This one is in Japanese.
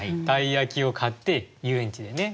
鯛焼を買って遊園地でね。